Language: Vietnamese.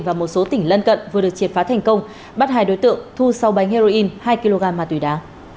và một số tỉnh lân cận vừa được triệt phá thành công bắt hai đối tượng thu sáu bánh heroin hai kg ma túy đá